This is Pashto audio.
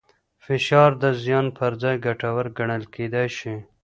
فشار د زیان پر ځای ګټور ګڼل کېدای شي.